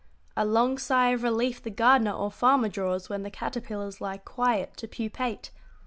A long sigh of relief the gardener or farmer draws when the caterpillars lie quiet to pupate.